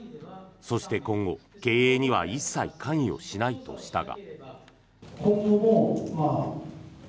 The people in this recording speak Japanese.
そして今後、経営には一切関与しないとしたが。